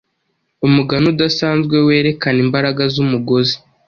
Umugani udasanzwe werekana imbaraga zumugozi